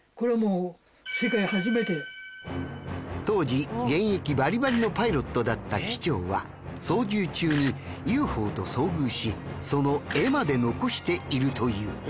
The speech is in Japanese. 当時現役バリバリのパイロットだった機長は操縦中にＵＦＯと遭遇しその絵まで残しているという。